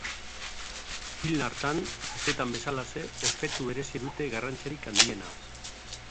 Film hartan, besteetan bezalaxe, efektu bereziek dute garrantzirik handiena.